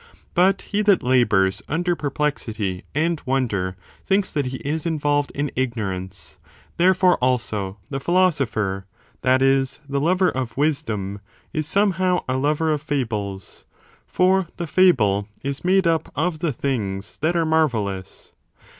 But he that labours under perplexity and wonder thinks that he is involved in ignorance.^ Therefore, also, the philosopher — ^that is, the lover of wisdom — ^is somehow a lover of fables,^ for the fable is made up of the things that are marvellous.